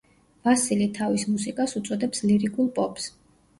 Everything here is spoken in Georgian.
ვასილი თავის მუსიკას უწოდებს ლირიკულ პოპს.